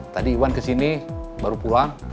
tadi iwan kesini baru pulang